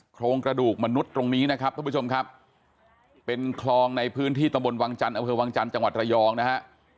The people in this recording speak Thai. โครงกระดูกมนุษย์ตรงนี้นะครับท่านผู้ชมครับเป็นคลองในพื้นที่ตำบลวังจันทร์อำเภอวังจันทร์จังหวัดระยองนะฮะ